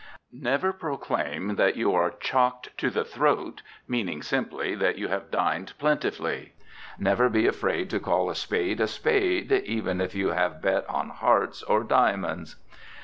Never proclaim that you are "chocked to the throat," meaning simply that you have dined plentifully. Never be afraid to call a spade a "spade," even if you have bet on hearts or diamonds.